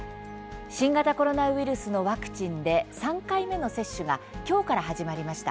新型コロナウイルスのワクチンで３回目の接種がきょうから始まりました。